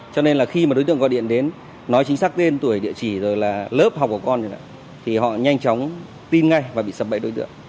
cho nên là khi mà đối tượng gọi điện đến nói chính xác tên tuổi địa chỉ rồi là lớp học của con chẳng thì họ nhanh chóng tin ngay và bị sập bẫy đối tượng